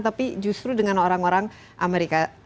tapi justru dengan orang orang amerika